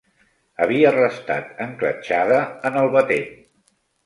Havia restat encletxada en el batent.